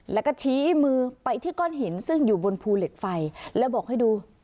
แล้วก็ชี้มือไปที่ก้อนหินซึ่งอยู่บนภูเหล็กไฟแล้วบอกให้ดู